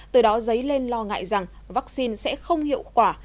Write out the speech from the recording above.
từ đó giấy lên lo ngại rằng vaccine sẽ không hiệu quả